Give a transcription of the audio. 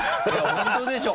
本当でしょう。